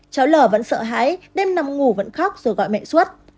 cháu l vẫn sợ hãi đêm nằm ngủ vẫn khóc rồi gọi mẹ suốt